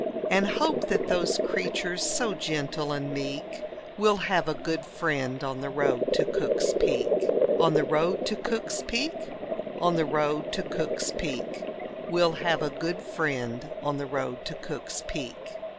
And hope that those creatures, so gentle and meek, Will have a good friend on the road to Cook's Peak. On the road to Cook's Peak, On the road to Cook's Peak, Will have a good friend on the road to Cook's Peak.